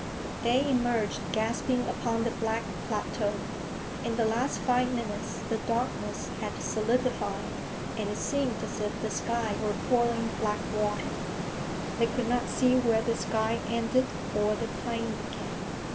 They emerged gasping upon the black plateau. In the last five minutes the darkness had solidified and it seemed as if the skies were pouring black water. They could not see where the sky ended or the plain began.